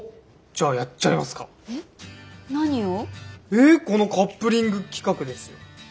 えっこのカップリング企画ですよ。